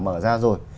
mở ra rồi